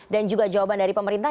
dan juga jawaban dari pemerintah